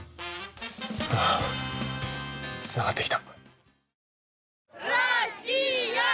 ああ、つながってきた。